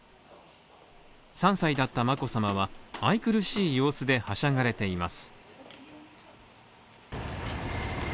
３歳だった眞子さまは愛くるしい様子ではしゃがれています。